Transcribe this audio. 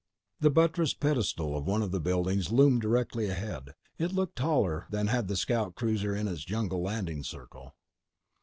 The buttressed pedestal of one of the buildings loomed directly ahead. It looked taller than had the scout cruiser in its jungle landing circle.